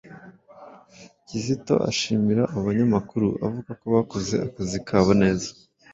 Kizito ashimira abo banyamakuru avuga ko bakoze akazi kabo neza